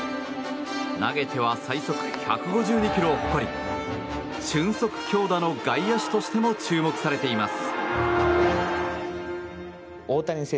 投げては最速１５２キロを誇り俊足強打の外野手として注目されています。